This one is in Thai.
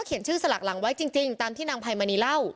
คันคันคันคันคันคัน